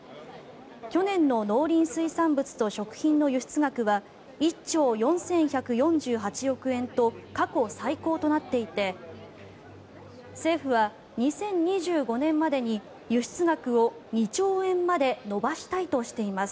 去年の農林水産物と食品の輸出額は１兆４１４８億円と過去最高となっていて政府は２０２５年までに輸出額を２兆円まで伸ばしたいとしています。